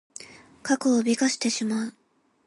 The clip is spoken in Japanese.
過去を美化してしまう。